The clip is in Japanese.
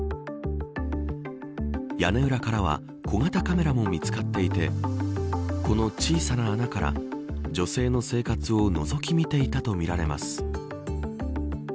屋根裏からは小型カメラも見つかっていてこの小さな穴から女性の生活をのぞき見ていたとみられます。